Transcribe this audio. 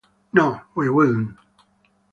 No, we wouldn't.